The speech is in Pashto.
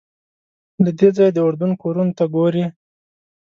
له دې ځایه د اردن کورونو ته ګورې.